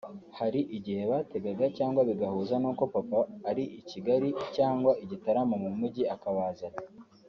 hari igihe bategaga cyangwa bigahuza n’uko Papa ari i Kigali cyangwa i Gitarama mu mujyi akabazana